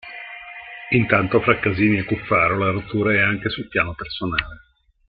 Intanto fra Casini e Cuffaro la rottura è anche sul piano personale.